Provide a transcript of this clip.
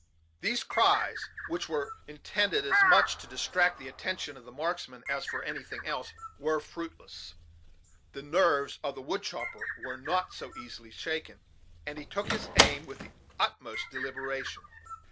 These cries, which were intended as much to distract the attention of the marksman as for anything else, were fruitless. The nerves of the wood chopper were not so easily shaken, and he took his aim with the utmost deliberation.